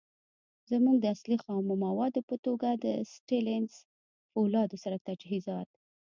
زمونږ د اصلی. خامو موادو په توګه د ستينليس فولادو سره تجهیزات